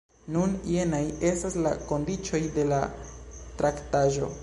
Nun, jenaj estas la kondiĉoj de la traktaĵo.